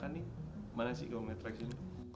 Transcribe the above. mana sih kalau melihat traction nya